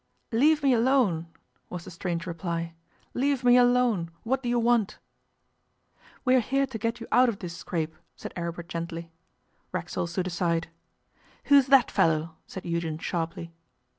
'Leave me alone,' was the strange reply; 'leave me alone. What do you want?' 'We are here to get you out of this scrape,' said Aribert gently. Racksole stood aside. 'Who is that fellow?' said Eugen sharply.